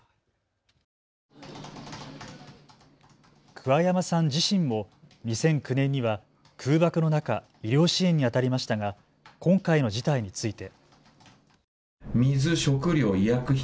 桑山さん自身も２００９年には空爆の中、医療支援にあたりましたが今回の事態について。